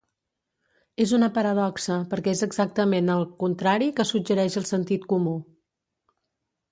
És una paradoxa perquè és exactament el contrari que suggereix el sentit comú.